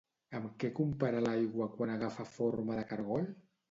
Amb què compara l'aigua quan agafa forma de cargol?